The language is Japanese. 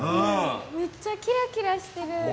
むっちゃキラキラしてる。